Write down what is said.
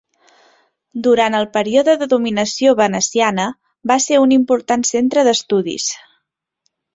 Durant el període de dominació veneciana va ser un important centre d'estudis.